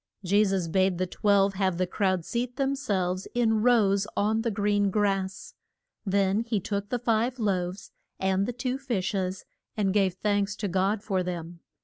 Je sus bade the twelve have the crowd seat them selves in rows on the green grass. Then he took the five loaves and the two fish es, and gave thanks to God for them.